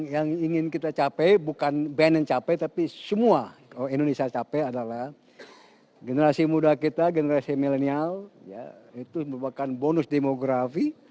yang ingin kita capai bukan band yang capai tapi semua indonesia capai adalah generasi muda kita generasi milenial itu merupakan bonus demografi